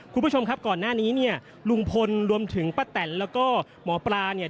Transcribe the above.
คุณผู้ชมครับก่อนหน้านี้เนี่ยลุงพลรวมถึงป้าแตนแล้วก็หมอปลาเนี่ย